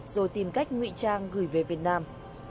rồi tìm cách nguy trang gửi về việt nam